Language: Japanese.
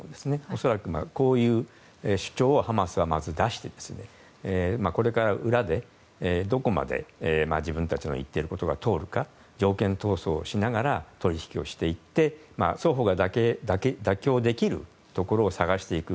恐らく、こういう主張をハマスはまず出してこれから裏でどこまで自分たちの言っていることが通るか条件闘争しながら取引をしていって双方が妥協できるところを探していく。